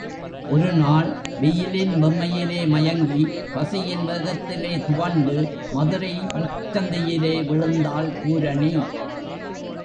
ஒரு நாள் வெயிலின் வெம்மையிலே மயங்கி பசியின் வேகத்திலே துவண்டு மதுரை முச்சந்தியிலே விழுந்தாள் பூரணி!